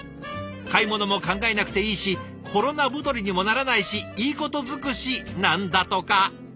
買い物も考えなくていいしコロナ太りにもならないしいいこと尽くしなんだとか。